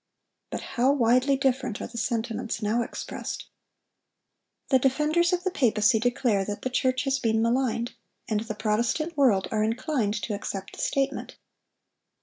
But how widely different are the sentiments now expressed. The defenders of the papacy declare that the church has been maligned; and the Protestant world are inclined to accept the statement.